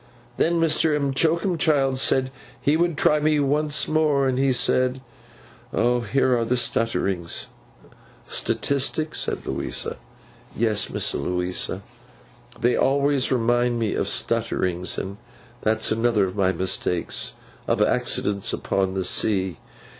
'Then Mr. M'Choakumchild said he would try me once more. And he said, Here are the stutterings—' 'Statistics,' said Louisa. 'Yes, Miss Louisa—they always remind me of stutterings, and that's another of my mistakes—of accidents upon the sea.